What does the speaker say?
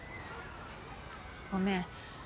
ごめん。